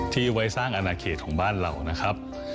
ที่ไว้สร้างอนาเขตของบ้านเรานะครับ